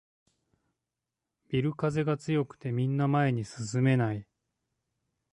ビル風が強くてみんな前に進めない